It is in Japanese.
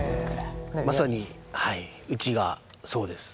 まさにはいうちがそうです。